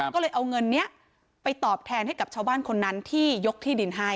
ก็เลยเอาเงินนี้ไปตอบแทนให้กับชาวบ้านคนนั้นที่ยกที่ดินให้